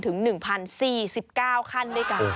ถึง๑๐๔๙ขั้น